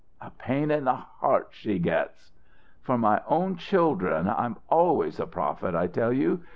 "A pain in the heart she gets!" "For my own children I'm always a prophet, I tell you.